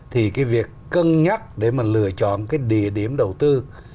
thì cái việc cân nhắc để mà lựa chọn cái địa điểm đầu tư